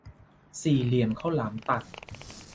สี่เหลี่ยมข้าวหลามตัด